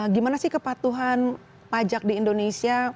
gimana sih kepatuhan pajak di indonesia